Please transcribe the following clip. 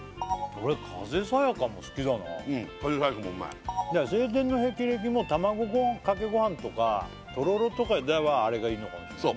俺風さやかも好きだなうん風さやかもうまいだから青天の霹靂も卵かけご飯とかとろろとかではあれがいいのかもしんないね